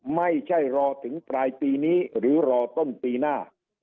ไม่ใช่รอถึงปลายปีนี้หรือรอต้นปีหน้า